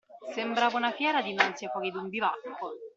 Sembrava una fiera dinanzi ai fuochi d'un bivacco.